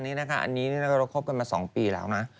เราก็คบกันมา๒ปีแล้วนะ